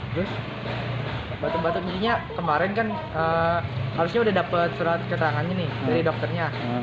terus batuk batuknya kemarin kan harusnya udah dapet surat keterangannya nih dari dokternya